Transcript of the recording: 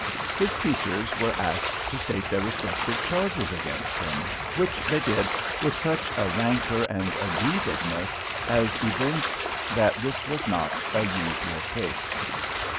His teachers were asked to state their respective charges against him, which they did with such a rancour and aggrievedness as evinced that this was not a usual case.